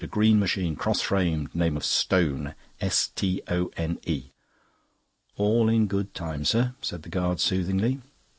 "A green machine, cross framed, name of Stone. S T O N E." "All in good time, sir," said the guard soothingly.